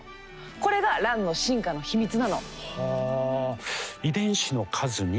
これがランの進化のヒミツなの。